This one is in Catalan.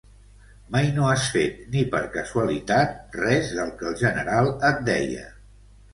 Mai no has fet, ni per casualitat, res del que el general et deia.